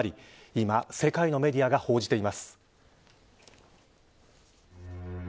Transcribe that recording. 今、世界のメディアが報じています。